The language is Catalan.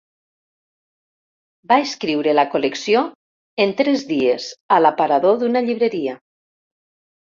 Va escriure la col·lecció en tres dies a l'aparador d'una llibreria.